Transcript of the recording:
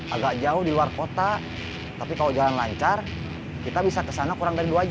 agak jauh di luar kota tapi kalau jalan lancar kita bisa kesana kurang dari dua jam